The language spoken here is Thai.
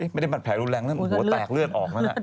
ไม่ได้แผลรุนแร้งแตกเลือดออกนั่น